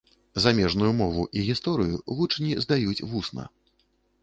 Замежную мову і гісторыю вучні здаюць вусна.